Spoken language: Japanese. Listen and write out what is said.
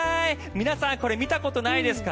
皆さんこれ見たことないですか。